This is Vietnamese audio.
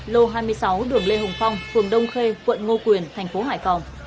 lô hai mươi sáu đường lê hồng phong phường đông khê quận ngo quyền thành phố hải phòng